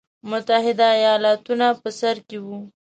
متحده ایالتونه په سر کې وو.